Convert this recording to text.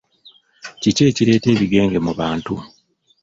Kiki ekireeta ebigenge mu bantu?